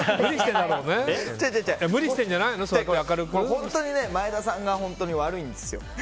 本当に前田さんが悪いんですよ。